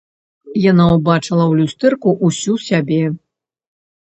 Яна ўбачыла ў люстэрку ўсю сябе.